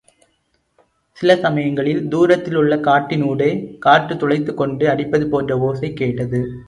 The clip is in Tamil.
சில சமயங்களில், தூரத்தில் உள்ள காட்டின் ஊடே காற்று துளைத்துக் கொண்டு அடிப்பது போன்ற ஓசை கேட்டது.